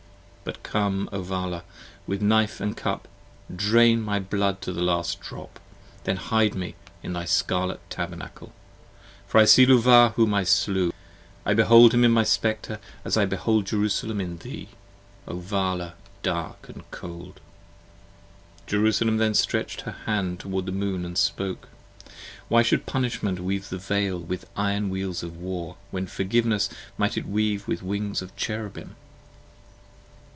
But come, O Vala.,, with knife & cup: drain my blood 30 To the last drop: then hide me in thy Scarlet Tabernacle. For I see Luvah whom I slew, I behold him in my Spectre, As I behold Jerusalem in thee, O Vala dark and cold. Jerusalem then stretch'd her hand toward the Moon & spoke. Why should Punishment Weave the Veil with Iron Wheels of War, 35 When Forgiveness might it Weave with Wings of Cherubim?